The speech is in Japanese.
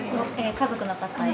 家族の方へ？